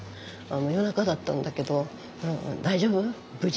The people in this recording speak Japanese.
夜中だったんだけど「大丈夫？無事？」